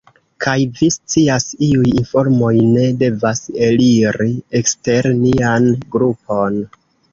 Kaj vi scias, iuj informoj ne devas eliri ekster nian grupon.